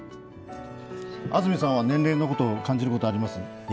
安住さんは年齢のことを感じることあります？